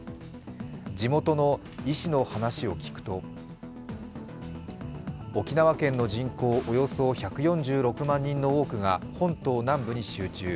地元の医師の話を聞くと沖縄県の人口およそ１４６万人の多くが本島南部に集中。